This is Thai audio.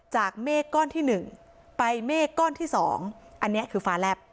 เมฆก้อนที่๑ไปเมฆก้อนที่๒อันนี้คือฟ้าแลบ